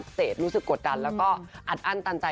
เสพรู้สึกกดดันแล้วก็อัดอั้นตันใจ